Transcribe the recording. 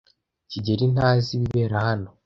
kigeli ntazi ibibera hano.